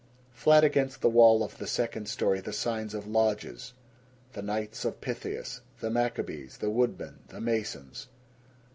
Flat against the wall of the second story the signs of lodges the Knights of Pythias, the Maccabees, the Woodmen, the Masons.